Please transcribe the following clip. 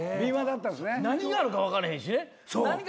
何があるか分からへんしね。